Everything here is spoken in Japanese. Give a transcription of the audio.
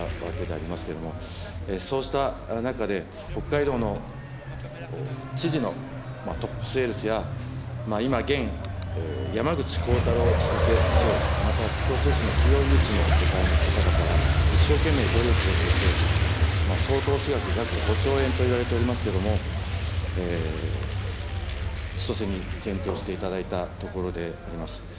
またこのラピダスのこいけ社長が、ことしの２月２８日に、北海道の千歳市に工場を選定したわけでありますけれども、そうした中で、北海道の知事のトップセールスや、今、現山口幸太郎千歳市長、また千歳市の企業誘致の部隊の方々が一生懸命努力をされて、総投資額約５兆円といわれておりますけれども、千歳に選定していただいたところであります。